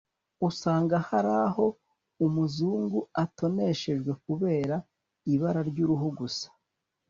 ugasanga hari aho umuzungu atoneshejwe kubera ibara ry’uruhu gusa